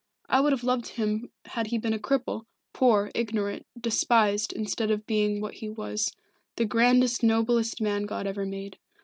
I would have loved him had he been a cripple, poor, ignorant, despised, instead of being what he was the grandest, noblest man God ever made.